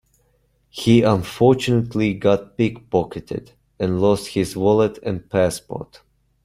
He unfortunately got pick-pocketed and lost his wallet and passport.